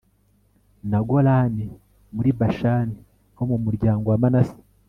na golani muri bashani ho mu muryango wa manase